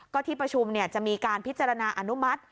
ก็ที่ประชุมจะมีการพิจารณาอนุมัติ